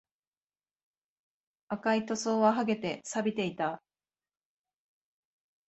赤い塗装は剥げて、錆びていた